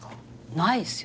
ないっすよ